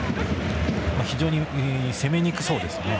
非常に攻めにくそうですね。